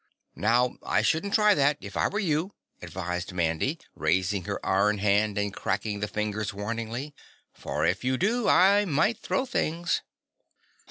"Now I shouldn't try that, if I were you," advised Mandy, raising her iron hand and cracking the fingers warningly. "For if you do, I might throw things!"